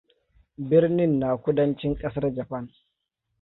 Birnin na kudancin ƙasar Japan.